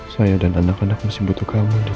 saya dan anak anak masih butuh kamu